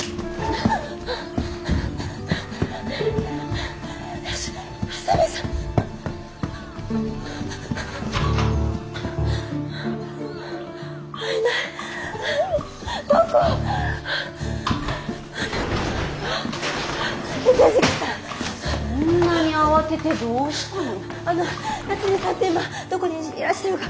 あの八海さんって今どこにいらっしゃるかご存じですか？